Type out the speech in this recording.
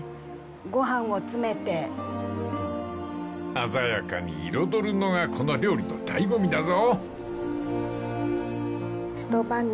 ［鮮やかに彩るのがこの料理の醍醐味だぞ］